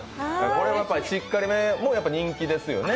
このしっかり芽も人気ですよね？